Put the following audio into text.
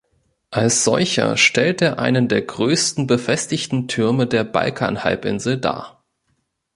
Als solcher stellt er einen der größten befestigten Türme der Balkanhalbinsel dar.